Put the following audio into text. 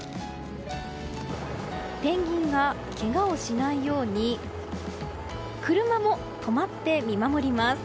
ペンギンがけがをしないように車も止まって見守ります。